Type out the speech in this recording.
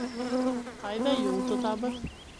— Ҡайҙа юл тотабыҙ?